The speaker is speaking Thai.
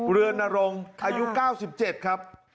เรือนรงค์อายุ๙๗ครับ